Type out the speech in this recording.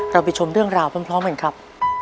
ไปชมเรื่องราวพร้อมกันครับ